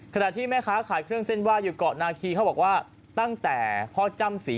ขณะที่แม่ค้าขายเครื่องเส้นไหว้อยู่เกาะนาคีเขาบอกว่าตั้งแต่พ่อจ้ำศรี